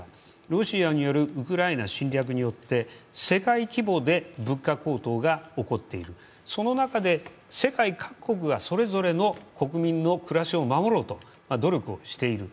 ロシアによるウクライナ侵略によって世界規模で物価高騰が起こっている、その中で、世界各国がそれぞれの国民の暮らしを守ろうと努力をしている。